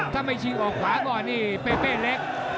ถ้าไม่ชิงออกขวาก่อนนี่เป้เล็ก